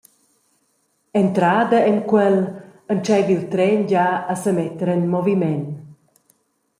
Entrada en quel entscheiva il tren gia a semetter en moviment.